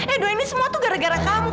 edo ini semua tuh gara gara kamu